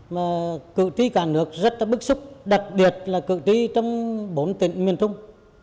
mà cử tri cả nước rất là bức xúc đặc biệt là cử tri trong bốn tỉnh miền trung